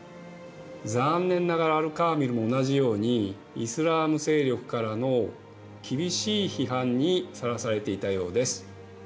残念ながらアル・カーミルも同じようにイスラーム勢力からの厳しい批判にさらされていたようです。